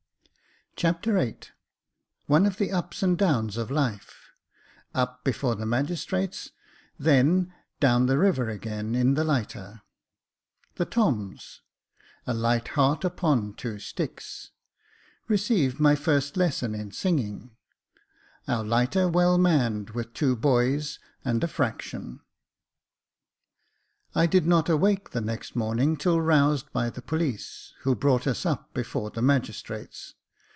Chapter VIII One of the ups and downs of Life — Up before the Magistrates, then down the River again in the Lighter — ^The Toms — A light heart upon two sticks — Receive my first lesson in singing — Our Lighter well manned with two boys and a fraction. I DID not awake the next morning till roused by the police, who brought us up before the magistrates.